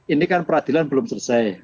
ini kan peradilan belum selesai